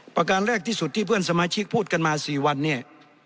ประการแรกที่สุดที่เพื่อนสมาชิกพูดกันมา๔วันเนี่ย